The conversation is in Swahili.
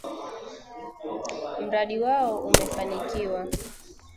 Mradi wao umefanikiwa